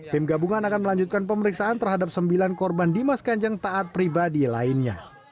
tim gabungan akan melanjutkan pemeriksaan terhadap sembilan korban dimas kanjeng taat pribadi lainnya